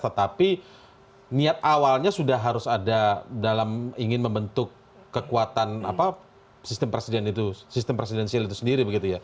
tetapi niat awalnya sudah harus ada dalam ingin membentuk kekuatan sistem presidensial itu sendiri begitu ya